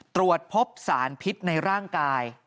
ตรวจพบสารพิษในร่างกาย